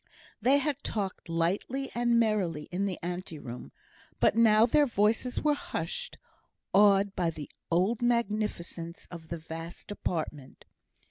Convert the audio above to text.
They had talked lightly and merrily in the ante room, but now their voices were hushed, awed by the old magnificence of the vast apartment.